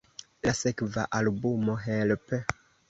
La sekva albumo "Help!